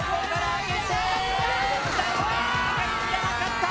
上がりきらなかった。